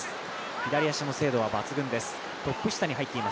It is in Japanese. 左足の精度は抜群です。